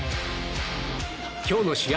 今日の試合